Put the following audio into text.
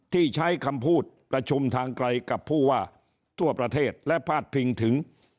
ที่ใช้คำพูดประชุมทางไกลกับผู้ว่าทั่วประเทศและพาดพิงถึง